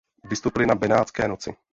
Vystoupili na Benátské noci.